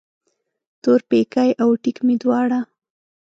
تورپیکی او ټیک مې دواړه